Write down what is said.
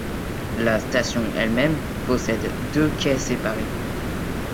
La station elle-même possède deux quais séparés.